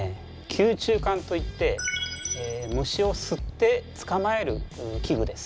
吸虫管といって虫を吸って捕まえる器具です。